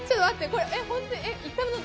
これ本当に？